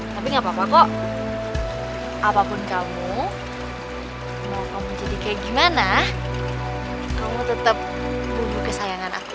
tapi gapapa kok apapun kamu mau kamu jadi kayak gimana kamu tetep punya kesayangan aku